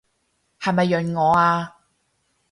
係咪潤我啊？